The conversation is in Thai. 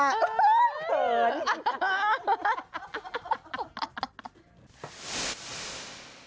เผิน